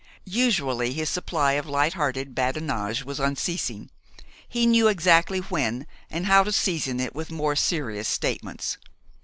Usually his supply of light hearted badinage was unceasing. He knew exactly when and how to season it with more serious statements.